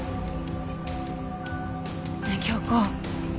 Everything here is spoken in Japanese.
ねえ杏子。